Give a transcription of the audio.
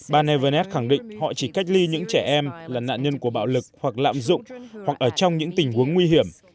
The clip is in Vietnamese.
bà nevenet khẳng định họ chỉ cách ly những trẻ em là nạn nhân của bạo lực hoặc lạm dụng hoặc ở trong những tình huống nguy hiểm